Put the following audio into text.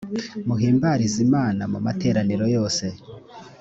muhimbarize imana mu materaniro yose